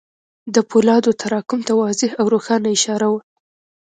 د پولادو تراکم ته واضح او روښانه اشاره وه.